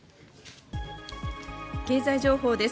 経済情報です。